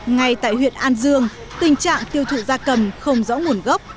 ngay tại huyện an dương tình trạng tiêu thụ gia cầm không rõ nguồn gốc